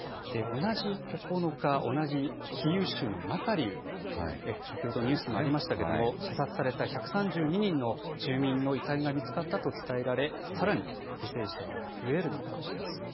同じ９日、同じキーウ州のマカリウ、先ほどニュースでもありましたけれども、射殺された１３２人の住民の遺体が見つかったと伝えられ、さらに犠牲者は増える見通しです。